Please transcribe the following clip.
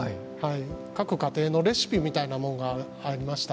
各家庭のレシピみたいなもんがありました。